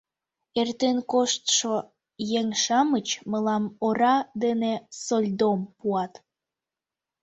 Эртен коштшо еҥ-шамыч мылам ора дене сольдом пуат.